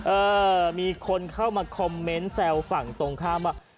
เออมีคนเข้ามาคอมเมนต์แซวฝั่งตรงข้ามว่า